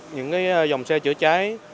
những dòng xe chữa chảy